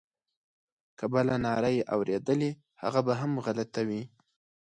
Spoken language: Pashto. که بله ناره یې اورېدلې هغه به هم غلطه وي.